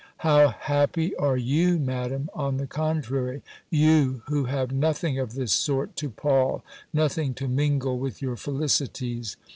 How happy are YOU, Madam, on the contrary; YOU, who have nothing of this sort to pall, nothing to mingle with your felicities!